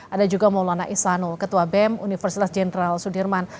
ada juga maulana isanul ketua bem universitas jenderal sudirman